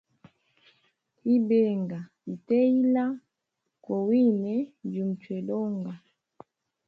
Ibenga ite ila kowine njimukichwela onga.